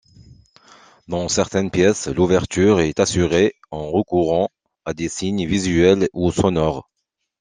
Dans certaines pièces, l'ouverture est assurée en recourant à des signes visuels ou sonores.